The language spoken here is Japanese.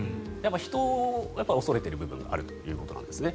人を恐れている部分があるということなんですね。